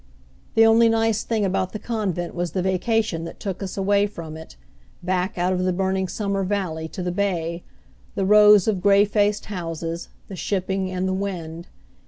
The only nice thing about the convent was the vacation that took us away from it, back, out of the burning summer valley to the bay, the rows of gray faced houses, the shipping and the wind.